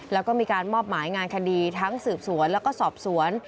แล้วก็มีการมอบหมายงานคดีทั้งสืบสวนแล้วก็สอบสวน